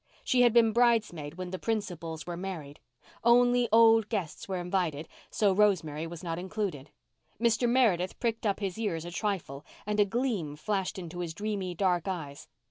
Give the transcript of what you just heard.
She had been bridesmaid when the principals were married. Only old guests were invited, so Rosemary was not included. Mr. Meredith pricked up his ears a trifle and a gleam flashed into his dreamy dark eyes.